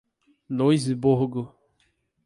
Luisburgo